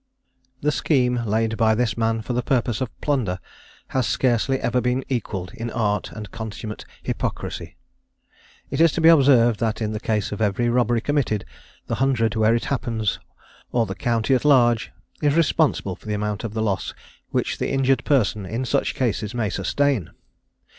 The scheme laid by this man for the purpose of plunder has scarcely ever been equalled in art and consummate hypocrisy. It is to be observed that in the case of every robbery committed, the hundred where it happens, or the county at large, is responsible for the amount of the loss which the injured person in such cases may sustain.